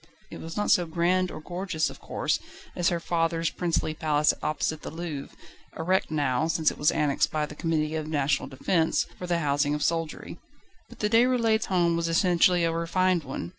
It was not so grand or gorgeous of course as her father's princely palace opposite the Louvre, a wreck now, since it was annexed by the Committee of National Defence, for the housing of soldiery. But the Déroulèdes' home was essentially a refined one.